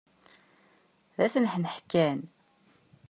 D asneḥneḥ kan!